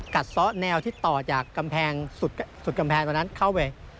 ซ้อแนวที่ต่อจากกำแพงสุดกำแพงตรงนั้นเข้าไป